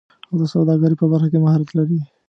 او د سوداګرۍ په برخه کې مهارت لري